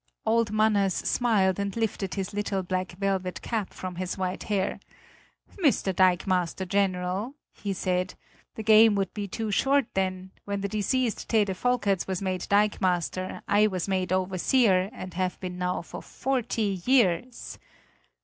Old Manners smiled and lifted his little black velvet cap from his white hair: "Mr. Dikemaster General," he said, "the game would be too short then; when the deceased Tede Volkers was made dikemaster I was made overseer and have been now for forty years."